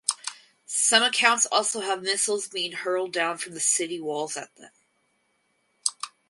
Some accounts also have missiles being hurled down from the city walls at them.